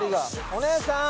お姉さん！